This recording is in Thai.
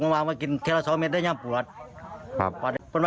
มันมาวางที่ทีละบางอันจะอย่างหว่อ